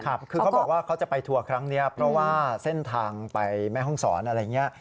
คือเขาบอกว่าเขาจะไปทัวร์ครั้งนี้เพราะว่าเส้นทางไปแม่ห้องศรอะไรอย่างนี้